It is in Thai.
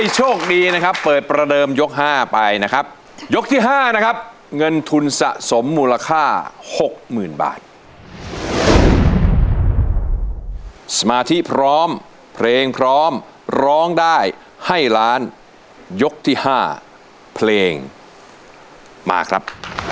ใส่บ่อยไหมครับปกติอ๋อใส่บ่อยครับ